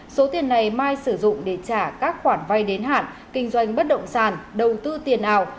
số tiền này mai sử dụng để trả các khoản vay đến hạn kinh doanh bất động sản đầu tư tiền ảo